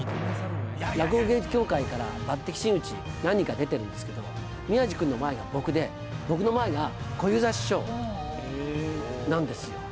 落語芸術協会から抜擢真打、何人か出てるんですけど、宮治君の前が僕で、僕の前が小遊三師匠なんですよ。